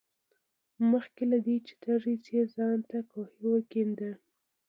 مخکې له دې چې تږي شې ځان ته کوهی وکیندئ.